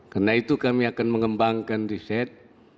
karena itu kami akan mengembangkan riset